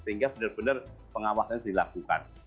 sehingga benar benar pengawasannya dilakukan